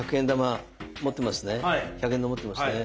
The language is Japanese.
１００円玉持ってますね？